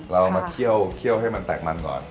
เรามาเคี่ยวให้มันแตกมันก่อน